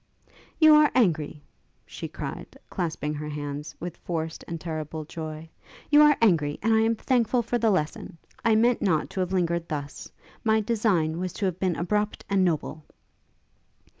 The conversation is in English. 'You are angry?' she cried, clasping her hands, with forced and terrible joy; 'you are angry, and I am thankful for the lesson. I meant not to have lingered thus; my design was to have been abrupt and noble.'